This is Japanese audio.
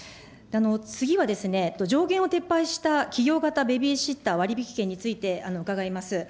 次は上限を撤廃した企業型ベビーシッター割り引き券について、伺います。